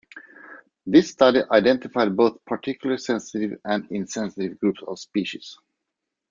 This study identified both particularly sensitive and insensitive groups of species.